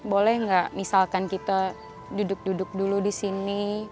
boleh gak misalkan kita duduk duduk dulu disini